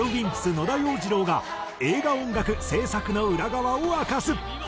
野田洋次郎が映画音楽制作の裏側を明かす！